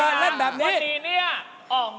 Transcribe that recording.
วันนี้นี่อองด้าดาวคือสีนเสมอจังก